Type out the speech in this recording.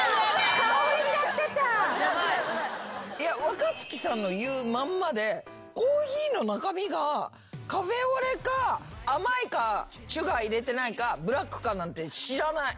若槻さんの言うまんまでコーヒーの中身がカフェオレか甘いかシュガー入れてないかブラックかなんて知らない。